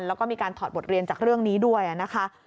แล้วก็มีการถอดบทเรียนจากเรื่องนี้ด้วยนะคะ